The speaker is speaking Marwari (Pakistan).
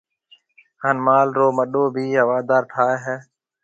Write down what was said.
ھان مال رو مڏو ڀِي ھوادار ٺائيَ ھيََََ